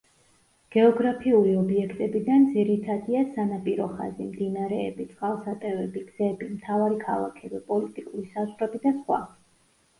გეოგრაფიული ობიექტებიდან ძირითადია სანაპირო ხაზი, მდინარეები, წყალსატევები, გზები, მთავარი ქალაქები, პოლიტიკური საზღვრები და სხვა.